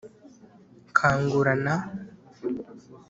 Kangura na